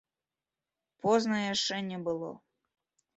Позна яшчэ не было.